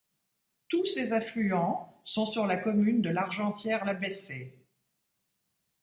Tous ses affluents sont sur la commune de L'Argentière-la-Bessée.